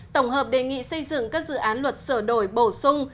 tổng hợp đề nghị xây dựng các dự án luật sửa đổi bổ sung